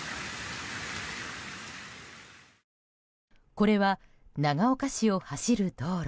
これは、長岡市を走る道路。